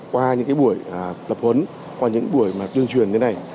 qua những buổi tập huấn qua những buổi tuyên truyền như thế này